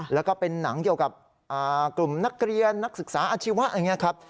แล้วก็เป็นหนังเกี่ยวกับกลุ่มนักเรียนนักศึกษาอาชีวะอย่างนี้ครับ